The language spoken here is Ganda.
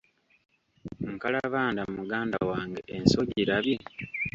Nkalabanda muganda wange ensi ogirabye?